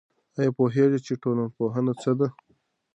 آيا پوهېږئ چي ټولنپوهنه څه ده؟